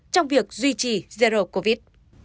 trong việc duy trì zero covid